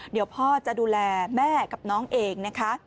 เดี๋ยวพ่อจะดูแลแม่กับน้องเองนะคะ